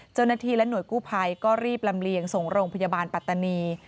เจ้าหน้าที่และหน่วยกู้ภัยก็รีบลำเลียงส่งโรงพยาบาลปัตตานี